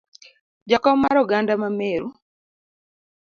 Jakom mar oganda ma Meru,